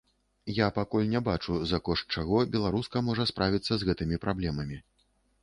Я пакуль не бачу, за кошт чаго беларуска можа справіцца з гэтымі праблемамі.